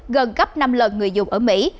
gần gấp năm lần người dùng ở mỹ